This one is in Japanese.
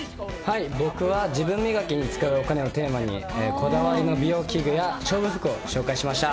僕は自分磨きに使うお金をテーマに、こだわりの美容器具や勝負服を紹介しました。